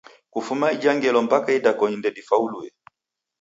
Kufuma ija ngelo mpaka idakoni ndedifauluye.